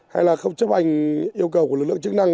hay là không chấp hành yêu cầu của lực lượng chức năng